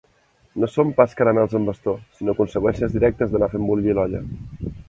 No són pas caramels amb bastó, sinó conseqüències directes d'anar fent bullir l'olla.